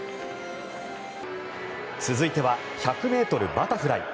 続いては、１００ｍバタフライ。